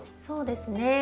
そうですね